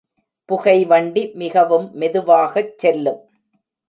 புகை வண்டி மிகவும் மெதுவாகச் செல்லும்.